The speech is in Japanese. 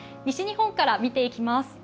西日本から見ていきます。